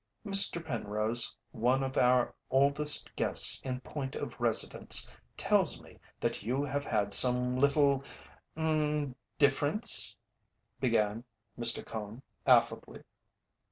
"Mr. Penrose, one of our oldest guests in point of residence, tells me that you have had some little er difference " began Mr. Cone, affably.